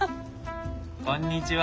こんにちは。